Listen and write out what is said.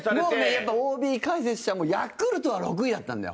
やっぱ、ＯＢ解説者もヤクルトは６位だったんだよ。